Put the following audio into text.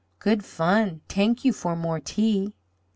Good fun. T'ank you for more tea."